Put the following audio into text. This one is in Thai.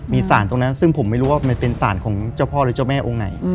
มีสารตรงนั้นซึ่งผมไม่รู้ว่ามันเป็นสารของเจ้าพ่อหรือเจ้าแม่องค์ไหน